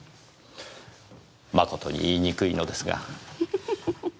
まことに言いにくいのですが。